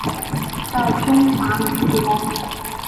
在中华民国。